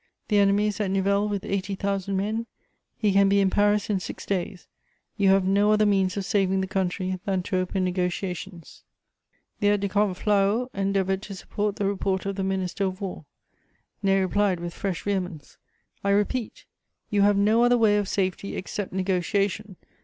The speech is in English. The enemy is at Nivelle with eighty thousand men; he can be in Paris in six days: you have no other means of saving the country than to open negociations." [Sidenote: Debates in the peers.] The Aide de camp Flahaut endeavoured to support the report of the Minister of War. Ney replied, with fresh vehemence: "I repeat, you have no other way of safety except negociation.